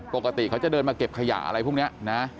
ปกติเขาจะเดินมาเก็บขยะอะไรพวกนี้นะ